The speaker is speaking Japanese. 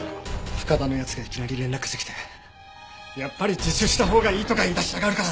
深田の奴がいきなり連絡してきてやっぱり自首したほうがいいとか言い出しやがるから。